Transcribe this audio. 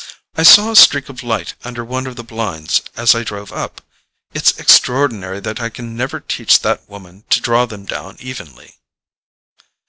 "I saw a streak of light under one of the blinds as I drove up: it's extraordinary that I can never teach that woman to draw them down evenly."